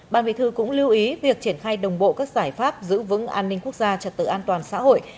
ban vị thư cũng lưu ý việc triển khai đồng bộ các giải pháp giữ vững an ninh quốc gia trật tự an toàn xã hội